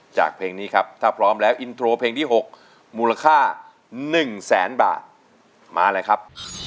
เพลงนี้ครับถ้าพร้อมแล้วอินโทรเพลงที่๖มูลค่า๑แสนบาทมาเลยครับ